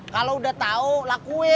kalau udah tahu lakuin